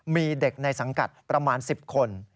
มีเด็กในสังกัดประมาณ๑๐คน